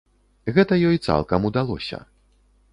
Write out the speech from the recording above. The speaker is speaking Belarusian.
Гэта ёй цалкам удалося.